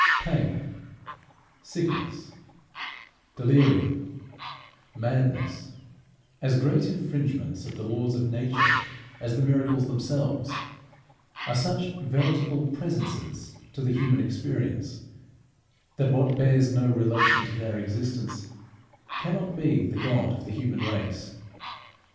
Pain, sickness, delirium, madness, as great infringements of the laws of nature as the miracles themselves, are such veritable presences to the human experience, that what bears no relation to their existence, cannot be the God of the human race.